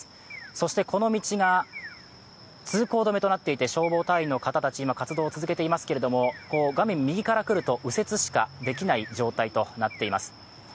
そしてこの道が通行止めとなっていて消防隊員の方々、活動を続けていますけど画面右から来ると、右折しかできない状態となっています。